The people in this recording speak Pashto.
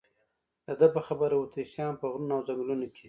د ده په خبره اتریشیانو په غرونو او ځنګلونو کې.